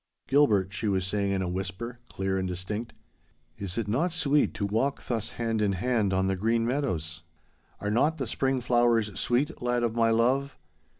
'Gilbert,' she was saying in a whisper, clear and distinct, 'is it not sweet to walk thus hand in hand on the green meadows? Are not the spring flowers sweet, lad of my love?